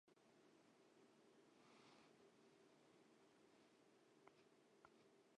Què succeïa en el relat?